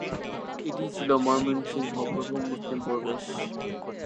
এটিই ছিল ময়মনসিংহ প্রথম মুসলিম প্রবেশ।